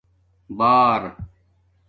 بار